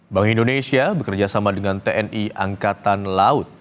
bank indonesia bekerjasama dengan tni angkatan laut